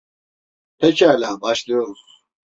Pekala, başlıyoruz.